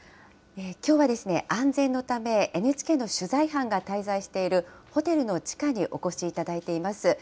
きょうはですね、安全のため、ＮＨＫの取材班が滞在しているホテルの地下にお越しいただいています。